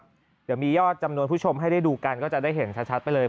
เดี๋ยวมียอดจำนวนผู้ชมให้ได้ดูกันก็จะได้เห็นชัดไปเลย